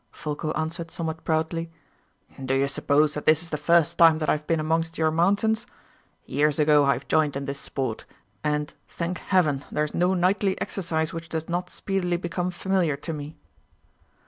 Folko answered somewhat proudly: "Do you suppose that this is the first time that I have been amongst your mountains? Years ago I have joined in this sport, and, thank Heaven, there is no knightly exercise which does not speedily become familiar to me."